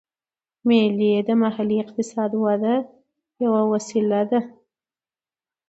مېلې د محلي اقتصاد وده یوه وسیله ده.